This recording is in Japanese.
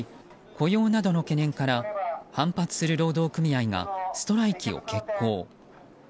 雇用などの懸念から反発する労働組合がストライキを決行。